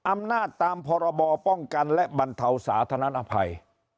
อำนาจตามพรบป้องกันและบรรเทาสาธารณอภัย